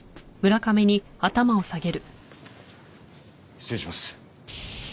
失礼します。